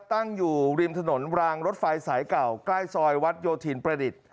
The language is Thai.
ตั้งอยู่ริมถนนรางรถไฟสายเก่าใกล้ซอยวัดโยธินประดิษฐ์